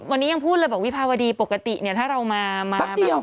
วันนี้ยังพูดระบบวิภาวดีปกติเนี่ยถ้าเรามาแป๊บเดียว